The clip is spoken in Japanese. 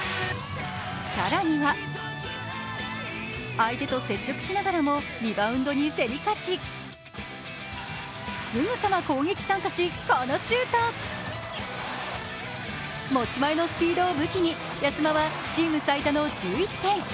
更には、相手と接触しながらもリバウンドに競り勝ちすぐさま攻撃参加し、このシュート持ち前のスピードを武器に、安間はチーム最多の１１点。